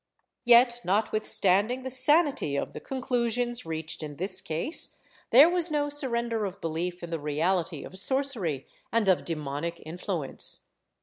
^ Yet, notwithstanding the sanity of the conclusions reached in this case, there was no surrender of belief in the reality of sorcery and of demonic influence.